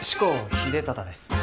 秀忠です。